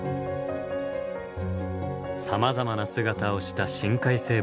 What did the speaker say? さまざまな姿をした深海生物たち。